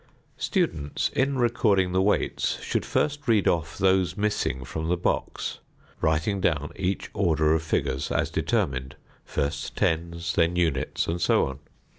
Students, in recording the weights, should first read off those missing from the box, writing down each order of figures as determined; first tens, then units, and so on.